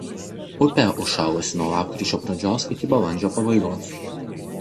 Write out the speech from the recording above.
Upė užšalusi nuo lapkričio pradžios iki balandžio pabaigos.